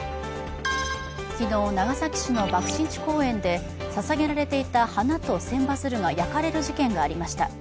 昨日、長崎市の爆心地公園でささげられていた花と千羽鶴が焼かれる事件がありました。